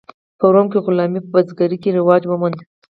په روم کې غلامي په بزګرۍ کې رواج وموند.